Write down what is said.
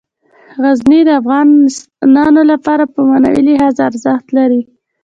غزني د افغانانو لپاره په معنوي لحاظ ارزښت لري.